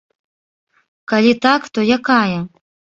Калі так, то якая?